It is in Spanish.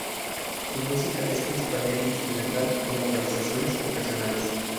Su música es principalmente instrumental, con vocalizaciones ocasionales.